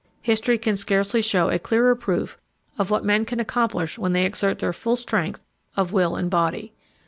History can scarcely show a clearer proof of what men can accomplish when they exert their full strength of will and body.